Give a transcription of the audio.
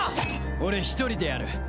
俺一人でやる。